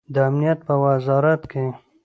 د امنیت په وزارت کې